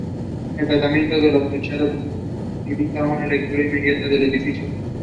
It was one of the first legal Lithuanian societies in Vilnius.